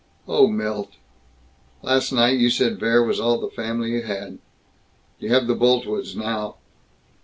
"Oh, Milt Last night you said Vere was all the family you had. You have the Boltwoods, now!"